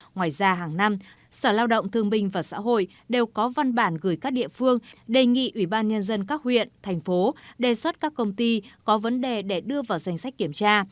ngoài ra hàng năm sở lao động thương minh và xã hội đều có văn bản gửi các địa phương đề nghị ủy ban nhân dân các huyện thành phố đề xuất các công ty có vấn đề để đưa vào danh sách kiểm tra